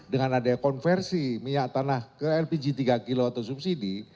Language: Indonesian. dengan adanya konversi minyak tanah ke lpg tiga kg atau subsidi